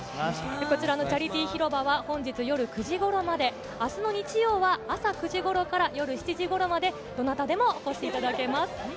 こちらのチャリティー広場は本日夜９時ごろまで、あすの日曜は朝９時ごろから夜７時ごろまで、どなたでもお越しいただけます。